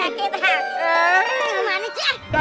eh gimana jah